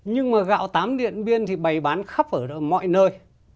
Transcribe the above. nhưng mà gạo tám điện biên thì bày bán khắp ở mọi nơi